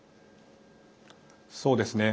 そうですね。